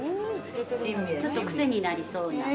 ちょっとクセになりそうな。